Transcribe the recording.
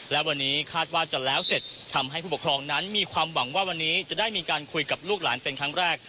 และวันนี้คาดว่าจะแล้วเสร็จทำให้ผู้ปกครองนั้นมีความหวังว่าวันนี้จะได้มีการคุยกับลูกหลานเป็นครั้งแรก